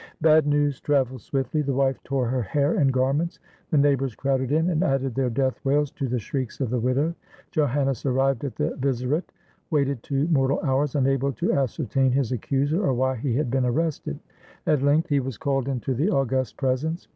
Bad news travels swiftly. The wife tore her hair and garments. The neighbors crowded in, and added their death wails to the shrieks of the widow. Joannes, arrived at the vizierate, waited two mortal hours, unable to ascertain his accuser, or why he had been arrested. At length he was called into the august presence.